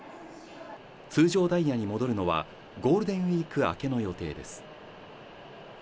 通常ダイヤに戻るのはゴールデンウイーク明けの予定です。